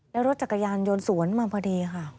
แล้วรถจักรยานยนต์สวนมาพอดีค่ะ